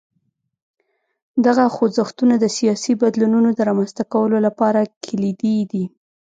دغه خوځښتونه د سیاسي بدلونونو د رامنځته کولو لپاره کلیدي دي.